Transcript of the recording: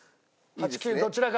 ８９どちらか。